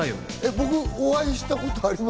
僕、お会いしたことあります？